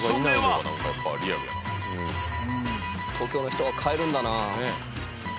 東京の人は換えるんだな。